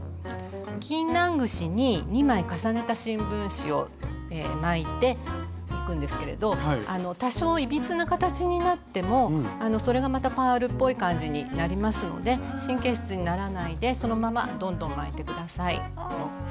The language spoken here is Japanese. ぎんなん串に２枚重ねた新聞紙を巻いていくんですけれどあの多少いびつな形になってもそれがまたパールっぽい感じになりますので神経質にならないでそのままどんどん巻いて下さい。